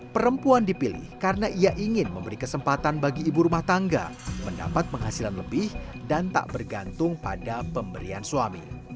perempuan dipilih karena ia ingin memberi kesempatan bagi ibu rumah tangga mendapat penghasilan lebih dan tak bergantung pada pemberian suami